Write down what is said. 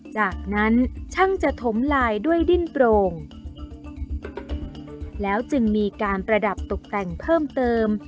จากนั้นช่างจะถมลายด้วยดิ้นโปร่งแล้วจึงมีการประดับตกแต่งเพิ่มเติม